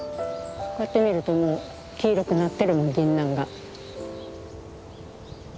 こうやって見るともう黄色くなってるもんギンナンが。